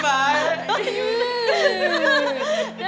biar aja deh nganggur lah